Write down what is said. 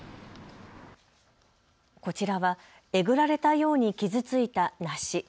こちらは、えぐられたように傷ついた梨。